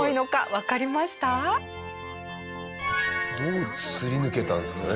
どうすり抜けたんですかね。